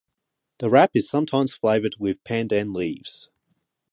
The wrap is sometimes flavored with pandan leaves.